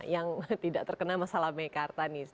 yang tidak terkena masalah mekarta nih